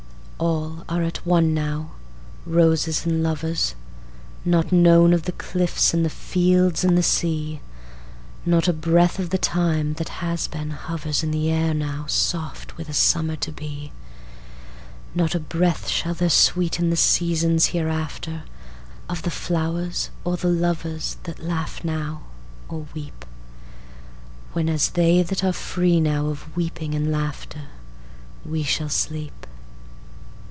All are at one now, roses and lovers, Not known of the cliffs and the fields and the sea. Not a breath of the time that has been hoversIn the air now soft with a summer to be. Not a breath shall there sweeten the seasons hereafterof the flowers or the lovers that laugh now or weep, When, as they that are free now of weeping and laughter, We shall sleep.